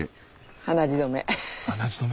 鼻血止め。